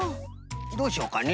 どうしようかね。